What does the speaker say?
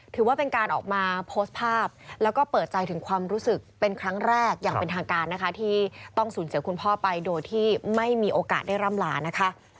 ถือว่าเป็นการออกมาโพสต์ภาพแล้วก็เปิดใจถึงความรู้สึกเป็นครั้งแรกอย่างเป็นทางการนะคะที่ต้องสูญเสียคุณพ่อไปโดยที่ไม่มีโอกาสได้ร่ำลานะคะ